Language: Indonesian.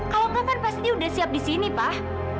kalau enggak kan pasti udah siap di sini pak